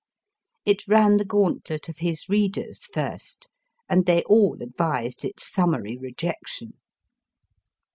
It ran the gauntlet of his readers first, and they all advised its summary rejection.